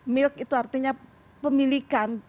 milk itu artinya pemilikan